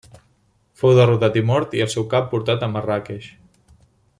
Fou derrotat i mort i el seu cap portat a Marràqueix.